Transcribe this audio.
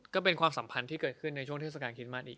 ก็เป็นความสัมพันธ์ที่เกิดขึ้นในช่วงเทศกาลคริสต์มาสนี้